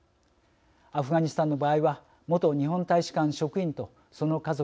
アフガニスタンの場合は元日本大使館職員とその家族